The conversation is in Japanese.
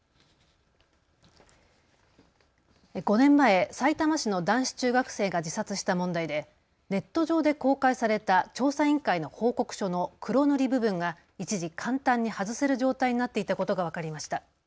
５年前さいたま市の男子中学生が自殺した問題でネット上で公開された調査委員会の報告書の黒塗り部分が一時、簡単に外せる状態になっていたことが分かりました。